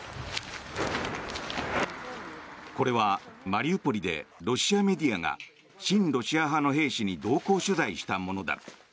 これはマリウポリでロシアメディアが親ロシア派の兵士に同行取材したものだ。